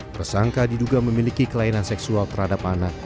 tersangka diduga memiliki kelainan seksual terhadap anak